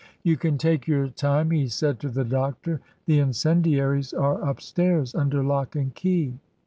"You can take your time," he said to the doctor, "the incendiaries are upstairs, under lock and key."